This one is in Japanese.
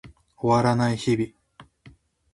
終わらない日々